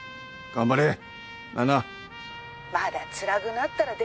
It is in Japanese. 頑張れよ。